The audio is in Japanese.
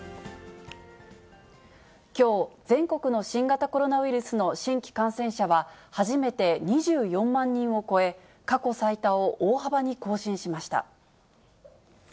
きょう、全国の新型コロナウイルスの新規感染者は初めて２４万人を超え、過去最多を大幅に更新しました。